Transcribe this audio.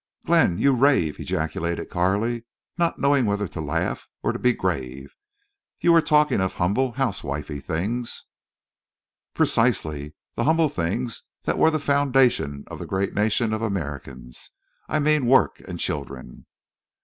"Glenn, you rave!" ejaculated Carley, not knowing whether to laugh or be grave. "You were talking of humble housewifely things." "Precisely. The humble things that were the foundation of the great nation of Americans. I meant work and children."